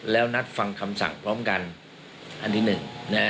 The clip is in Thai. แล้วนัดฟังคำสั่งพร้อมกันอันที่หนึ่ง